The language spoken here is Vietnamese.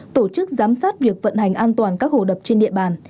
tổ chức giám sát việc vận hành an toàn các hồ đập trên địa bàn